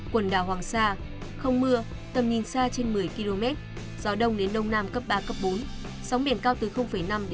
quần đảo trường sa không mưa tầm nhìn xa trên một mươi km gió đông đến đông nam cấp ba cấp bốn sóng biển cao từ năm một năm m